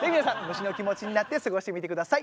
虫の気持ちになって過ごしてみてください。